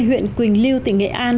huyện quỳnh lưu tỉnh nghệ an